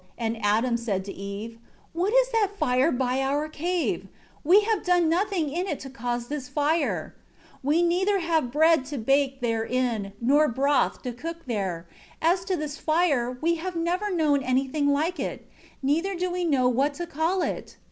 And Adam said to Eve, "What is that fire by our cave? We have done nothing in it to cause this fire. 2 We neither have bread to bake therein, nor broth to cook there. As to this fire, we have never known anything like it, neither do we know what to call it.